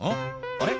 あれ？